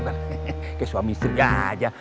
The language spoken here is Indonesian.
kayak suami istri aja